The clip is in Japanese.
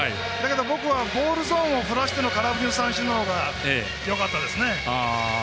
僕はボールゾーンを振らせての空振り三振の方がよかったですね。